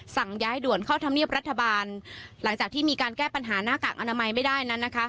ย้ายด่วนเข้าธรรมเนียบรัฐบาลหลังจากที่มีการแก้ปัญหาหน้ากากอนามัยไม่ได้นั้นนะคะ